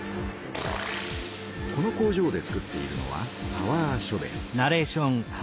この工場でつくっているのはパワーショベル。